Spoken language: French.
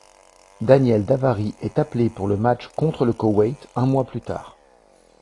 Daniel Davari est appelé pour le match contre le Koweït un mois plus tard.